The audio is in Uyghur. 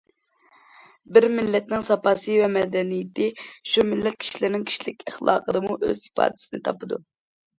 بىر مىللەتنىڭ ساپاسى ۋە مەدەنىيىتى شۇ مىللەت كىشىلىرىنىڭ كىشىلىك ئەخلاقىدىمۇ ئۆز ئىپادىسىنى تاپىدۇ.